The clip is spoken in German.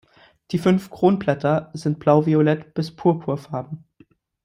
Die fünf Kronblätter sind blauviolett bis purpurfarben.